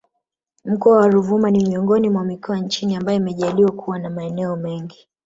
Mkoa wa Ruvuma ni miongoni mwa mikoa nchini ambayo imejaliwa kuwa na maeneo mengi